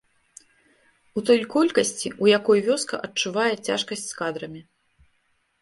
У той колькасці, у якой вёска адчувае цяжкасць з кадрамі.